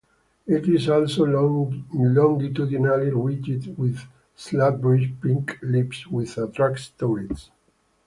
It is also longitudinally ridged with slash bright pink leaves which attracts tourists.